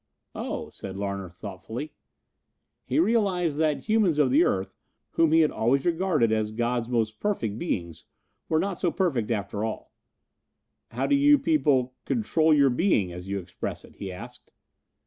"Oh," said Lamer thoughtfully. He realized that humans of the earth, whom he had always regarded as God's most perfect beings, were not so perfect after all. "How do you people control your being, as you express it?" he asked.